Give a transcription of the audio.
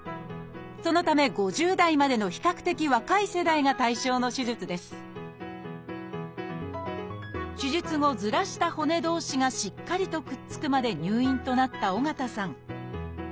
そのため５０代までの比較的若い世代が対象の手術です手術後ずらした骨同士がしっかりとくっつくまで入院となった緒方さん。